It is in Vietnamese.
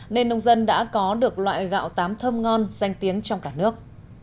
nên nông dân đã có được loại gạo tám thơm ngon danh tiếng trong cả nước